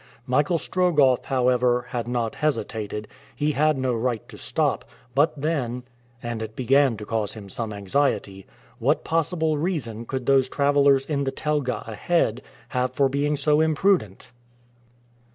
Michael Strogoff, however, had not hesitated, he had no right to stop, but then and it began to cause him some anxiety what possible reason could those travelers in the telga ahead have for being so imprudent?